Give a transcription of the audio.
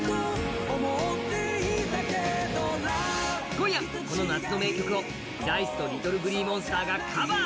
今夜、この夏の名曲をＤａ−ｉＣＥとＬｉｔｔｌｅＧｌｅｅＭｏｎｓｔｅｒがカバー。